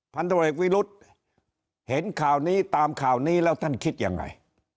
พันธุรกิจวิรุธเห็นข่าวนี้ตามข่าวนี้แล้วท่านคิดยังไง